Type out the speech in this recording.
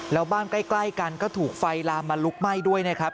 แล้วบ้านใกล้กันก็ถูกไฟลามมาลุกไหม้ด้วยนะครับ